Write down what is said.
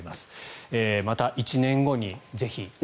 また１年後にぜひ。